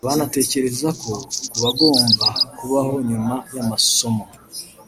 banatekereza ku ko bagomba kubaho nyuma y’amasomo